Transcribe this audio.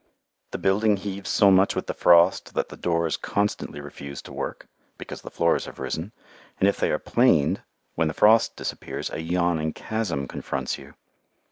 The building heaves so much with the frost that the doors constantly refuse to work, because the floors have risen, and if they are planed, when the frost disappears, a yawning chasm confronts you.